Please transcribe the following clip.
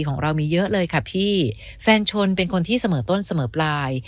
ของเรามีเยอะเลยค่ะพี่แฟนชนเป็นคนที่เสมอต้นเสมอปลาย